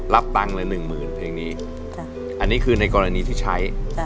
รับตังค์เลยหนึ่งหมื่นเพลงนี้อันนี้คือในกรณีที่ใช้